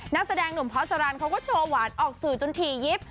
นักแสดงหนุ่มพอสรรเขาก็โชว์หวานออกสื่อจนถี่ยิบ